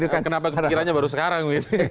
kenapa pikirannya baru sekarang